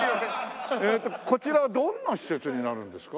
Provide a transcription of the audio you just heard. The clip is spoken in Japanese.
こちらはどんな施設になるんですか？